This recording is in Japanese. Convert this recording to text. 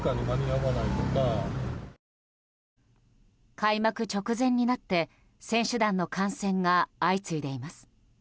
開幕直前になって選手団の感染が相次いでいます。